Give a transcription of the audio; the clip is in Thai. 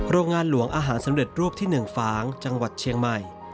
โรงงานหลวงอาหารสำเร็จรูปที่๑ฟางจังหวัดเชียงใหม่